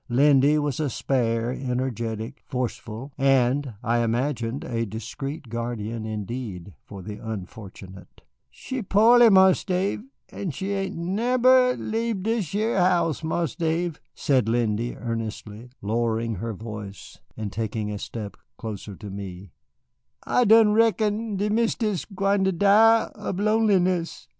Lindy was spare, energetic, forceful and, I imagined, a discreet guardian indeed for the unfortunate. "She po'ly, Marse Dave, an' she ain' nebber leabe dis year house. Marse Dave," said Lindy earnestly, lowering her voice and taking a step closer to me, "I done reckon de Mistis gwine ter die ob lonesomeness.